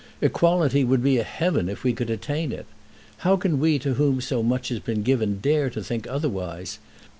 Equality would be a heaven, if we could attain it. How can we to whom so much has been given dare to think otherwise?